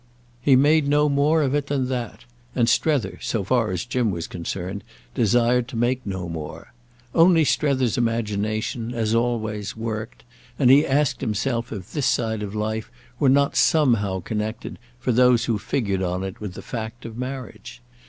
He made no more of it than that, and Strether, so far as Jim was concerned, desired to make no more. Only Strether's imagination, as always, worked, and he asked himself if this side of life were not somehow connected, for those who figured on it with the fact of marriage.